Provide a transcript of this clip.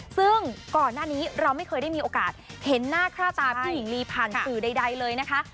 ซึ่งก่อนหน้านี้เราไม่เคยได้มีโอกาสเห็นหน้าค่าตาพี่หญิงลีผ่านสื่อใดเลยนะคะ